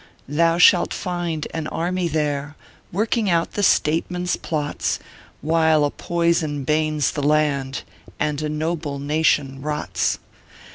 Thou shalt find an army there, Working out the statesman s plots, While a poison banes the laud, And a noble nation rots.